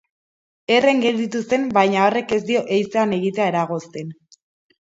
Herren gelditu zen baina horrek ez dio ehizean egitea eragozten.